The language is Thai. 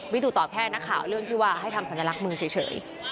ตูตอบแค่นักข่าวเรื่องที่ว่าให้ทำสัญลักษณ์มือเฉย